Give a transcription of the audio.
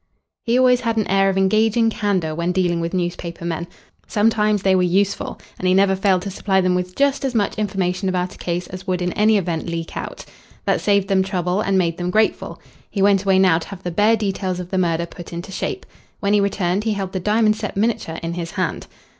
He always had an air of engaging candour when dealing with newspaper men. Sometimes they were useful, and he never failed to supply them with just as much information about a case as would in any event leak out. That saved them trouble and made them grateful. He went away now to have the bare details of the murder put into shape. When he returned he held the diamond set miniature in his hand.